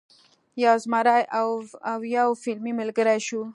یو زمری او یو فیلی ملګري شول.